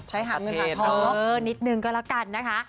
ใช้หาดเงินกระทบนิดนึงก็แล้วกันนะคะ